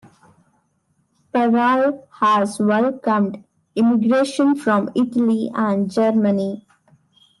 Parral has welcomed immigration from Italy and Germany.